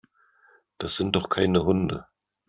Das sind doch keine Hunde.